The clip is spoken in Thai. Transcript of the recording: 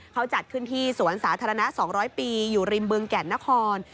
เขาจัดขึ้นที่สวนสาธารณะ๒๐๐ปีอยู่ริมบึงแก่นนคร